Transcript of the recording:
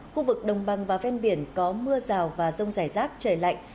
khu vực đồng bằng và ven biển có mưa rào và rông rải rác trời lạnh